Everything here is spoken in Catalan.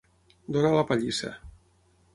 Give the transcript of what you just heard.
Donar la pallissa.